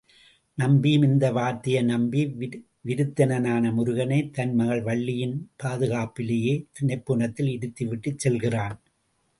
நம்பியும் இந்த வார்த்தையை நம்பி, விருத்தனான முருகனை தன் மகள் வள்ளியின் பாதுகாப்பிலேயே தினைப்புனத்தில் இருத்திவிட்டுச் செல்கிறான்.